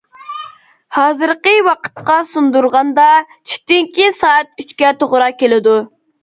ھازىرقى ۋاقىتقا سۇندۇرغاندا چۈشتىن كېيىن سائەت ئۈچكە توغرا كېلىدۇ.